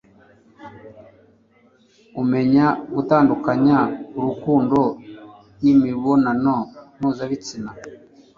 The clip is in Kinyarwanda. umenya gutandukanya urukundo n'imibonano mpuzabitsina